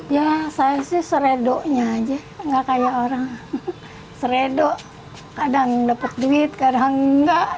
ya saya sih seredoknya aja nggak kaya orang seredok kadang dapat duit kadang nggak